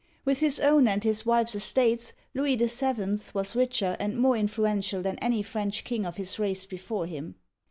With his own and his wife's estates, Louis VII. was richer and more influential than any French king of his race before him.